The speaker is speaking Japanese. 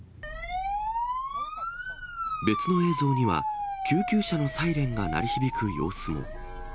別の映像には、救急車のサイレンが鳴り響く様子も。